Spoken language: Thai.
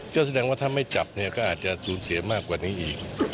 ก็แสดงว่าถ้าไม่จับเนี่ยก็อาจจะสูญเสียมากกว่านี้อีก